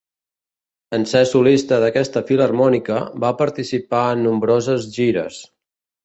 En ser solista d'aquesta filharmònica, va participar en nombroses gires.